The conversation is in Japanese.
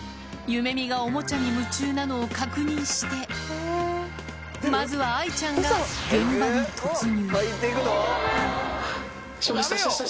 ゆめみがおもちゃに夢中なのを確認して、まずは愛ちゃんが現場に突入。